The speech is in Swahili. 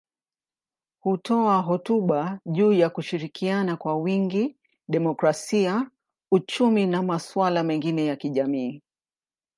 Hutoa hotuba juu ya kushirikiana kwa wingi, demokrasia, uchumi na masuala mengine ya kijamii.